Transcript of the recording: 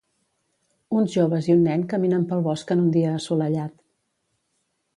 Uns joves i un nen caminen pel bosc en un dia assolellat.